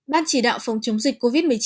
ban chỉ đạo phòng chống dịch covid một mươi chín